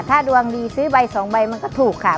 ถ้าดวงดีซื้อใบ๒ใบมันก็ถูกค่ะ